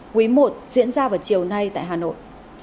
quý i diễn ra vào chiều nay tại hà nội